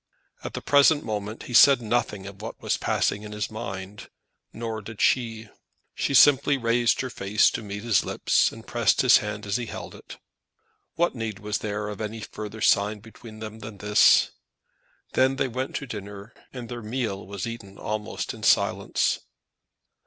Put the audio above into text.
At the present moment he said nothing of what was passing in his mind, nor did she. She simply raised her face to meet his lips, and pressed his hand as she held it. What need was there of any further sign between them than this? Then they went to dinner, and their meal was eaten almost in silence.